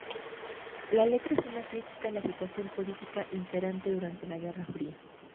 La letra es una crítica a la situación política imperante durante la Guerra Fría.